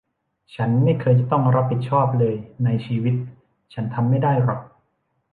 ฉันไม่เคยจะต้องรับผิดชอบเลยในชีวิต ฉันทำไม่ได้หรอก